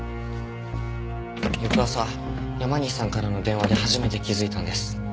翌朝山西さんからの電話で初めて気づいたんです。